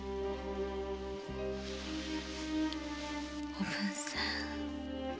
おぶんさん。